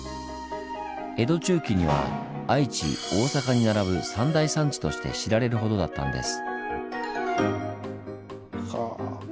江戸中期には愛知大阪に並ぶ三大産地として知られるほどだったんです。